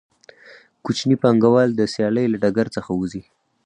کوچني پانګوال د سیالۍ له ډګر څخه وځي